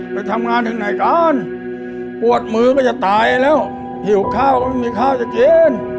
ไปทำงานถึงไหนกันปวดมือก็จะตายแล้วหิวข้าวก็ไม่มีข้าวจะกิน